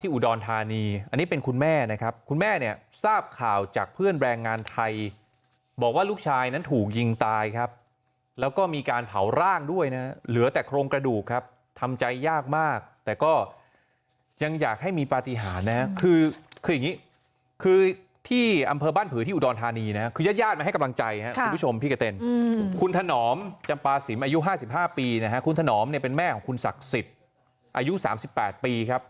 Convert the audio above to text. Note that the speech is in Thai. ที่อุดรธานีอันนี้เป็นคุณแม่นะครับคุณแม่เนี่ยทราบข่าวจากเพื่อนแบรงงานไทยบอกว่าลูกชายนั้นถูกยิงตายครับแล้วก็มีการเผาร่างด้วยนะเหลือแต่โครงกระดูกครับทำใจยากมากแต่ก็ยังอยากให้มีปฏิหารนะครับคือคืออย่างงี้คือที่อำเภอบ้านผือที่อุดรธานีนะครับคือยาดมาให้กำลังใจนะครับคุณผู้ชมพ